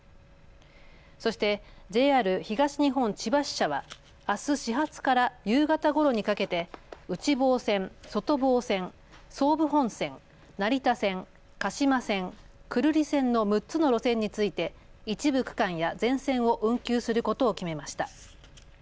そしてＪＲ東日本千葉支社はあす始発から夕方ごろにかけて内房線、外房線、総武本線、成田線、鹿島線、久留里線の６つの路線について一部区間や全線を運休することを決めました。